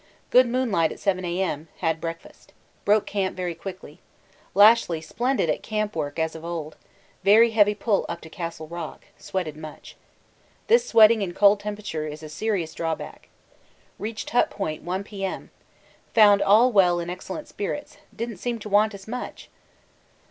Good moonlight at 7 A.M. had breakfast. Broke camp very quickly Lashly splendid at camp work as of old very heavy pull up to Castle Rock, sweated much. This sweating in cold temperature is a serious drawback. Reached Hut Point 1 P.M. Found all well in excellent spirits didn't seem to want us much!!